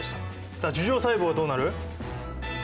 さあ樹状細胞はどうなる？